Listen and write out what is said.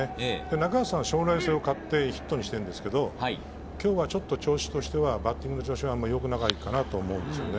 中畑さんは将来性を買ってヒットにしてるんですけど、今日はちょっと調子としてはバッティング、あんまりよくないかなと思いますね。